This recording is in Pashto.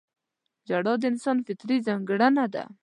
• ژړا د انسان فطري ځانګړنه ده.